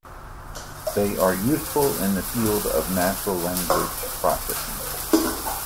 They are useful in the field of natural language processing.